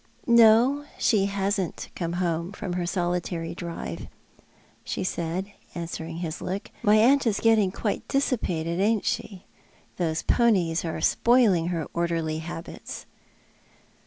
" No, she hasn't come home from her solitary drive," she said, answering his look. *' My aunt is getting quite dissipated, ai»'t she? Those ponies are spoiling her orderly habits."